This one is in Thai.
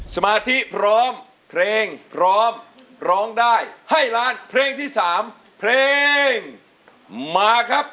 สมาธิพร้อมเพลงพร้อมร้องได้ให้ล้านเพลงที่๓เพลงมาครับ